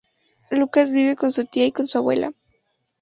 Lucas vive con su tía y con su abuela.